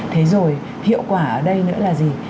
thế rồi hiệu quả ở đây nữa là gì